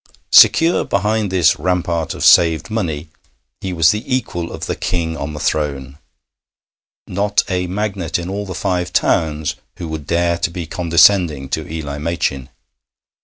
Secure behind this rampart of saved money, he was the equal of the King on the throne. Not a magnate in all the Five Towns who would dare to be condescending to Eli Machin.